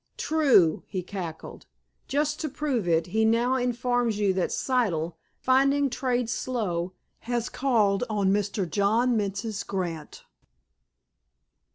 "True," he cackled. "Just to prove it, he now informs you that Siddle, finding trade slow, has called on Mr. John Menzies Grant!"